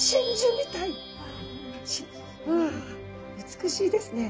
美しいですね。